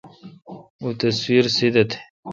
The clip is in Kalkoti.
او تصویر سیدہ تھ۔